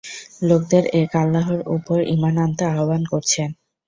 লোকদের এক আল্লাহর উপর ঈমান আনতে আহবান করছেন।